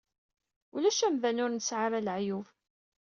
Ulac amdan ur nesɛi ara leɛyub.